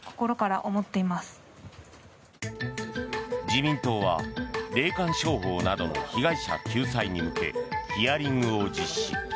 自民党は、霊感商法などの被害者救済に向けヒアリングを実施。